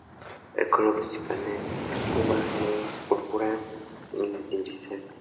El color principal del plumaje es púrpura iridiscente.